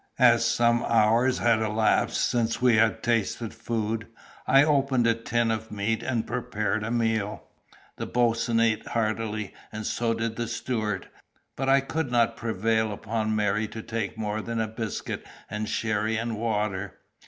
As some hours had elapsed since we had tasted food, I opened a tin of meat and prepared a meal. The boatswain ate heartily, and so did the steward: but I could not prevail upon Mary to take more than a biscuit and sherry and water.